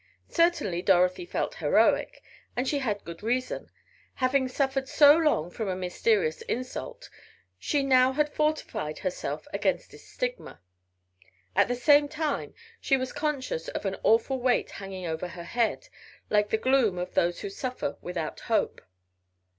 Certainly Dorothy felt heroic and she had good reason. Having suffered so long from a mysterious insult, she now had fortified herself against its stigma. At the same time she was conscious of an awful weight hanging over her head like the gloom of those who suffer without hope.